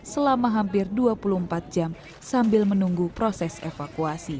selama hampir dua puluh empat jam sambil menunggu proses evakuasi